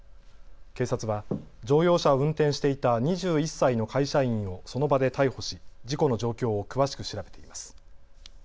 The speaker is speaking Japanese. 警察は乗用車を運転していた２１歳の会社員をその場で逮捕し事故の状況を詳しく調べています。